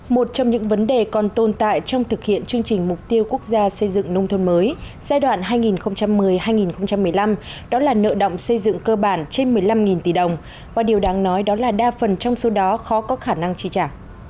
một trong những vấn đề còn tồn tại trong thực hiện chương trình mục tiêu quốc gia xây dựng nông thôn mới giai đoạn hai nghìn một mươi hai nghìn một mươi năm đó là nợ động xây dựng cơ bản trên một mươi năm tỷ đồng và điều đáng nói đó là đa phần trong số đó khó có khả năng chi trả